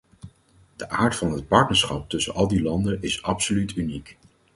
De aard van het partnerschap tussen al die landen is absoluut uniek.